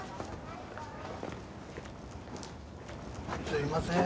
すいません。